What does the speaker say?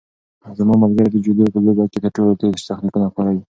زما ملګری د جودو په لوبه کې تر ټولو تېز تخنیکونه کاروي.